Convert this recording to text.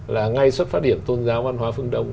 là ngay xuất phát điểm tôn giáo văn hóa phương đông